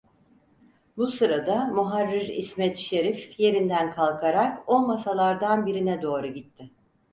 Bu sırada muharrir İsmet Şerif yerinden kalkarak o masalardan birine doğru gitti.